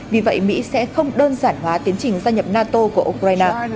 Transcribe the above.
vì vậy mỹ sẽ không đơn giản hóa tiến trình gia nhập nato của ukraine